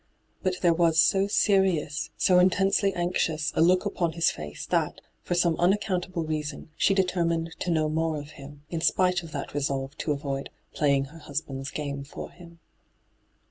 But there was so serious, so intensely anxious, a look upon his face that, for some unaccountable reason, she determined to know more of him, hyGoo>^lc ENTRAPPED 159 in spite of that resolve to avoid ' playing her hasband's game for him.'